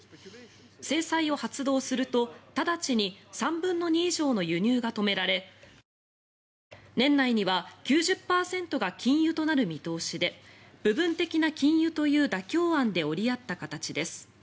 制裁を発動すると直ちに３分の２以上の輸入が止められ年内には９０％が禁輸となる見通しで部分的な禁輸という妥協案で折り合った形です。